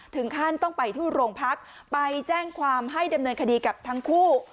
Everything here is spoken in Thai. ถึงขั้นต้องไปที่โรงพักไปแจ้งความให้ดำเนินคดีกับทั้งคู่